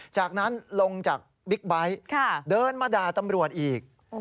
จากนั้นลงจากบิ๊กไบท์เดินมาด่าตำรวจอีก